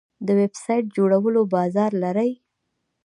د ویب سایټ جوړول بازار لري؟